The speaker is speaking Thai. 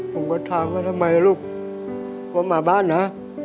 ผมก็ถามว่าทำไมลูกผมมาบ้านนะ